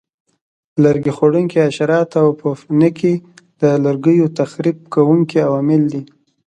لرګي خوړونکي حشرات او پوپنکي د لرګیو تخریب کوونکي عوامل دي.